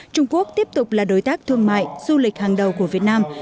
trung quốc tiếp tục là đối tác thương mại du lịch hàng đầu của việt nam